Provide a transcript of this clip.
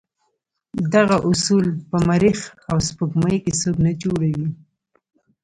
دغه اصول په مریخ او سپوږمۍ کې څوک نه جوړوي.